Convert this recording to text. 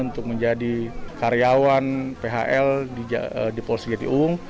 untuk menjadi karyawan phl di polsek jatiung